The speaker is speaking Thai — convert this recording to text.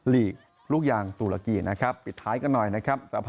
ลีกลูกยางตุรกีนะครับปิดท้ายกันหน่อยนะครับ